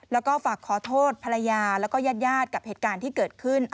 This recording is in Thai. แล้วก็ฝากขอโทษภรรยาแล้วก็ญาติกับเหตุการณ์ที่เกิดขึ้น